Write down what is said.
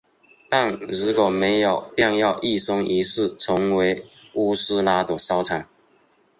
但如果没有便要一生一世成为乌苏拉的收藏。